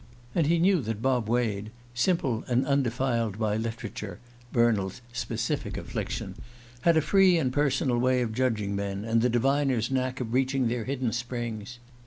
And he knew that Bob Wade, simple and undefiled by literature Bernald's specific affliction had a free and personal way of judging men, and the diviner's knack of reaching their hidden springs.